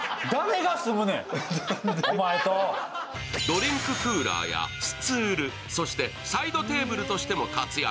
ドリンククーラーやスツール、サイドテーブルとしても活躍。